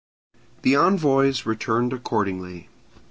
The envoys returned accordingly.